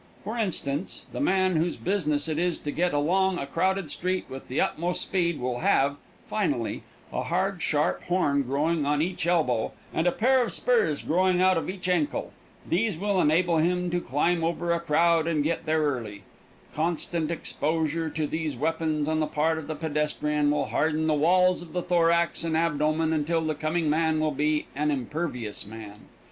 For instance, the man whose business it is to get along a crowded street with the utmost speed will have, finally, a hard, sharp horn growing on each elbow, and a pair of spurs growing out of each ankle. These will enable him to climb over a crowd and get there early. Constant exposure to these weapons on the part of the pedestrian will harden the walls of the thorax and abdomen until the coming man will be an impervious man.